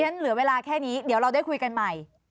เหลือเวลาแค่นี้เดี๋ยวเราได้คุยกันใหม่